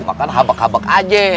makan habak habak aja